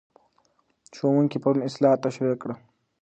ښوونکی پرون اصلاح تشریح کړه.